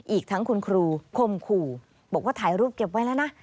อีกทั้งคุณครูคมขู่บอกว่าถ่ายรูปเก็บไว้แล้วนะ